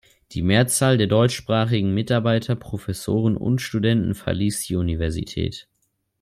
Die Mehrzahl der deutschsprachigen Mitarbeiter, Professoren und Studenten verließ die Universität.